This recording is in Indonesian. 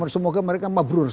semoga mereka mabrur